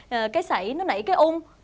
có thể cái xảy nó nảy cái ung